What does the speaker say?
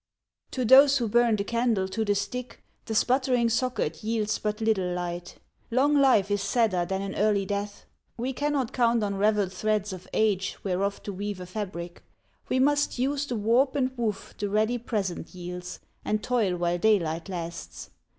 To those who burn the candle to the stick, The sputtering socket yields but little light. Long life is sadder than an early death. We cannot count on raveled threads of age Whereof to weave a fabric. We must use The warp and woof the ready present yields And toil while daylight lasts.